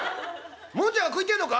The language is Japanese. もんじゃが食いてえのか？」。